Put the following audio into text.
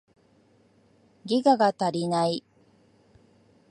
ギガが足りない